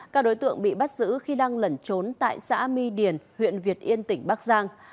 các đối tượng bị bắt giữ khi đang lẩn trốn tại xã my điền huyện việt yên tỉnh bắc giang